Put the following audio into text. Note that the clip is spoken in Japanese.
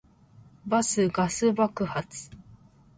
バスガス爆発